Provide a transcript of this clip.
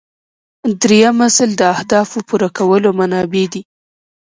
دریم اصل د اهدافو پوره کولو منابع دي.